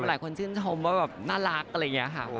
หลายคนชื่นชมว่าแบบน่ารักอะไรอย่างนี้ค่ะ